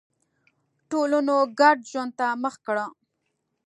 ټولنو ګډ ژوند ته مخه کړه.